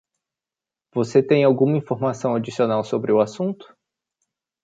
Você tem alguma informação adicional sobre o assunto?